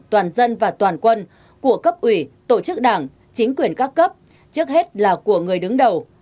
toàn dân và toàn quân của cấp ủy tổ chức đảng chính quyền các cấp trước hết là của người đứng đầu